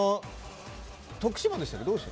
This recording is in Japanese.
徳島でしたっけ？